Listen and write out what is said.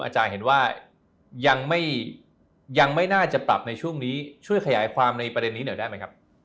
อาจารย์เห็นว่ายังไม่น่าจะปรับในช่วงนี้ช่วยขยายความในประเด็นนี้หน่อยได้ไหมครับ